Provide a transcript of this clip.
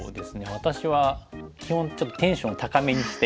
私は基本ちょっとテンション高めにしていますね。